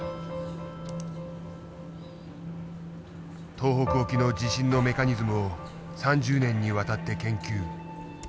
東北沖の地震のメカニズムを３０年にわたって研究。